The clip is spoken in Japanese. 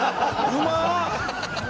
うまっ！